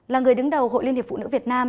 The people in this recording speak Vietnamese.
là người đứng đầu hội liên hiệp phụ nữ việt nam